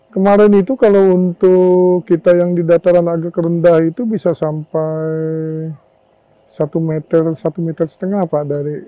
kemarin itu kalau untuk kita yang di dataran agak rendah itu bisa sampai satu meter satu meter setengah pak